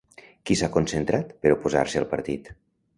Qui s'ha concentrat per oposar-se al partit?